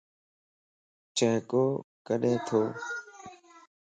چھڪو ڪڏي تو؟